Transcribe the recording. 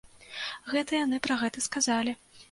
Гэта яны пра гэта сказалі.